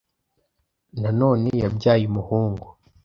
Nanone yabyayeumuhungu